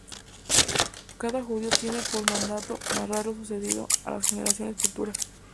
Cada judío tiene por mandato narrar lo sucedido a las generaciones futuras.